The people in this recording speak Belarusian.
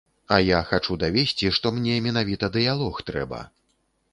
А я хачу давесці, што мне менавіта дыялог трэба.